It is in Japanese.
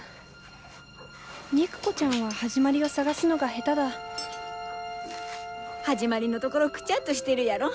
肉子ちゃんは始まりを探すのが下手だ始まりのところくちゃっとしてるやろ？